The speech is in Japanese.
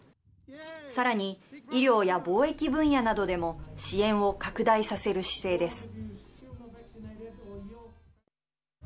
さらに、医療や貿易分野などでも支援を拡大させる姿勢です。